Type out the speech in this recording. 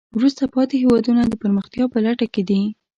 وروسته پاتې هېوادونه د پرمختیا په لټه کې دي.